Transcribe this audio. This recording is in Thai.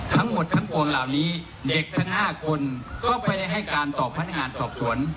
ทั้งหมดทั้งปวงเหล่านี้เด็กทั้ง๕คนก็ไม่ได้ให้การต่อพนักงานสอบสวน